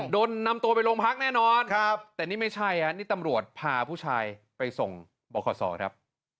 โดนนำตัวไปโรงพักแน่นอนแต่นี่ไม่ใช่ฮะนี่ตำรวจพาผู้ชายไปส่งบขศครับ